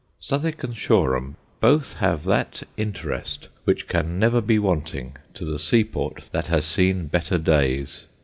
Southwick and Shoreham both have that interest which can never be wanting to the seaport that has seen better days.